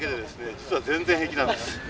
実は全然平気なんです。